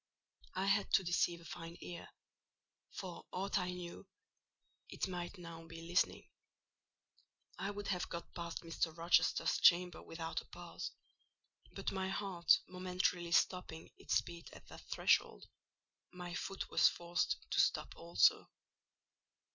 I had to deceive a fine ear: for aught I knew it might now be listening. I would have got past Mr. Rochester's chamber without a pause; but my heart momentarily stopping its beat at that threshold, my foot was forced to stop also.